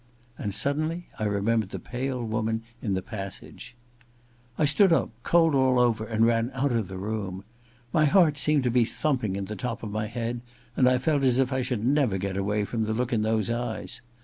And suddenly I remembered the pale woman in the passage. I stood up, cold all over, and ran out of the room. My heart seemed to be thumping in the top of my head, and I felt as if I should never get away from the look in those eyes.